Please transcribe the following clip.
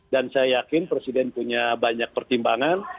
dan saya yakin presiden punya banyak pertimbangan